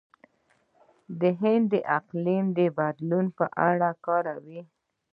هند د اقلیم د بدلون په اړه کار کوي.